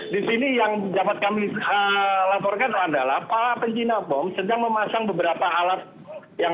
di sini yang dapat kami laporkan adalah para pencina bom sedang memasang beberapa alat yang